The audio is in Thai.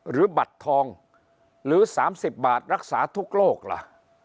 หรือบัตรทองหรือ๓๐บาทรักษาทุกโรคล่ะ